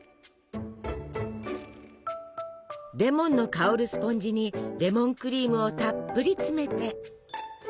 レモンの香るスポンジにレモンクリームをたっぷり詰めて。